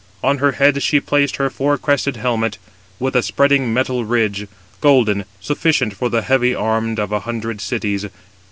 On her head she placed her four crested helmet, with a spreading metal ridge, 229 golden, sufficient for the heavy armed of a hundred cities.